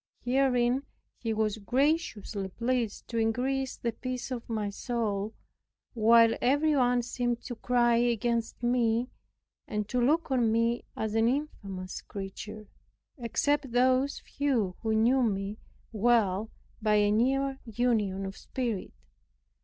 Herein he was graciously pleased to increase the peace of my soul, while every one seemed to cry against me, and to look on me as an infamous creature, except those few who knew me well by a near union of spirit.